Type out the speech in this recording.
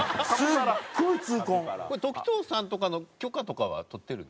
これ時東さんとかの許可とかは取ってるの？